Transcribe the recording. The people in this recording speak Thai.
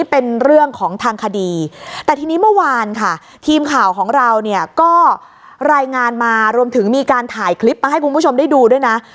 เพราะอะไรงานมารวมถึงมีการถ่ายคลิปมาให้คุณผู้ชมได้ดูด้วยนะ